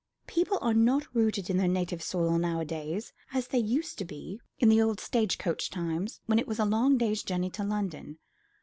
People are not rooted in their native soil nowadays, as they used to be in the old stage coach times, when it was a long day's journey to London.